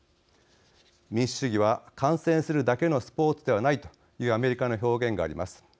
民主主義は観戦するだけのスポーツではないというアメリカの表現があります。